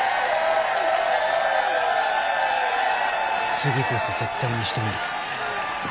次こそ絶対に仕留める。